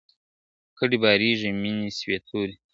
کډي باریږي مېني سوې توري `